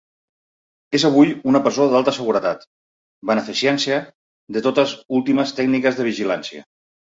És avui una presó d'alta seguretat, beneficiant-se de totes últimes tècniques de vigilància.